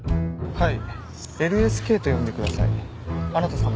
はい。